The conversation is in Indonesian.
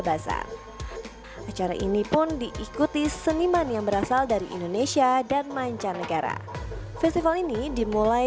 bazar acara ini pun diikuti seniman yang berasal dari indonesia dan mancanegara festival ini dimulai